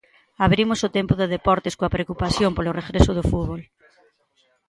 Abrimos o tempo de deportes coa preocupación polo regreso do fútbol.